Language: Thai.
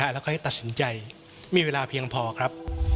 แล้วก็ให้ตัดสินใจมีเวลาเพียงพอครับ